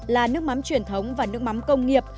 là nước mắm truyền thống và nước mắm công nghiệp